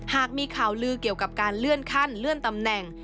หากมีข่าวลือเกี่ยวกับการเลื่อนขั้นเลื่อนตำแหน่ง